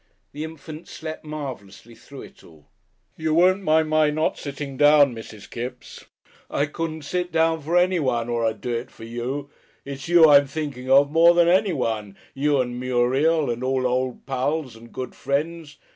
The infant slept marvellously through it all. "You won't mind my sitting down, Mrs. Kipps. I couldn't sit down for anyone, or I'd do it for you. It's you I'm thinking of more than anyone, you and Muriel, and all Old Pals and Good Friends.